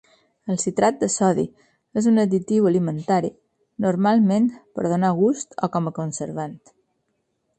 El citrat de sodi és un additiu alimentari normalment per donar gust o com conservant.